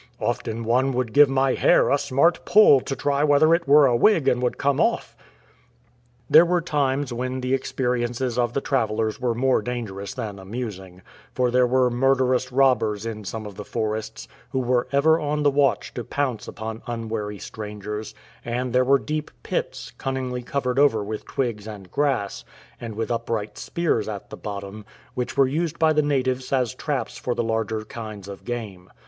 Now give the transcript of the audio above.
Often one would give my hair a smart pull to try whether it were a wig and would come off.'"* There were times when the experiences of the travellers were more dangerous than amusing, for there were murderous robbers in some of the forests, who were ever on the watch to pounce upon unw^ary strangers, and there were deep pits, cunningly covered over with twigs and grass, and with upright spears at the bottom, which were used by the natives as traps for the larger kinds of game.